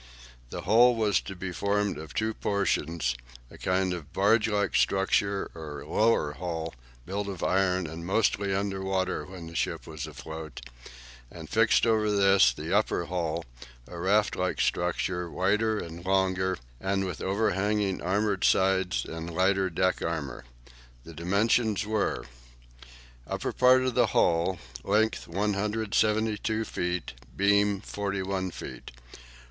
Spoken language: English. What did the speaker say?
The hull was to be formed of two portions, a kind of barge like structure or lower hull, built of iron, and mostly under water when the ship was afloat, and fixed over this the upper hull, a raft like structure, wider and longer, and with overhanging armoured sides and lighter deck armour. The dimensions were Upper part of hull, length 172 feet, beam 41 feet.